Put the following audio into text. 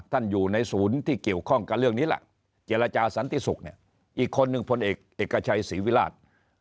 อยู่ในศูนย์ที่เกี่ยวข้องกับเรื่องนี้ล่ะเจรจาสันติศุกร์เนี่ยอีกคนนึงพลเอกชัยศรีวิราช